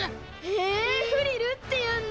へえフリルっていうんだ。